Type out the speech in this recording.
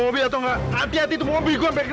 lu bisa nyetir atau nggak